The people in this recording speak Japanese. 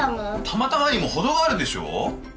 たまたまにも程があるでしょ！